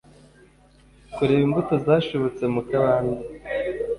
kureba imbuto zashibutse mu kabande